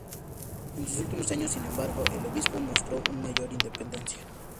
En sus últimos años, sin embargo, el obispo mostró una mayor independencia.